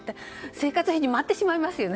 生活費に回ってしまいますよね